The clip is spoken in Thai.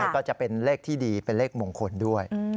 ก็จะเป็นเลขที่ดีเป็นเลขมงคลด้วย